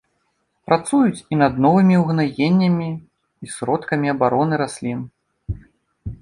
Працуюць і над новымі угнаеннямі і сродкамі абароны раслін.